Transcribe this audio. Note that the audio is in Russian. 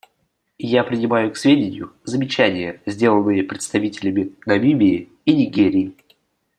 Я принимаю к сведению замечания, сделанные представителями Намибии и Нигерии.